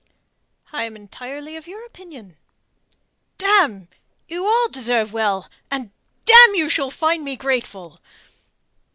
"I am entirely of your opinion." "Damme! You all deserve well, and damme, you shall find me grateful."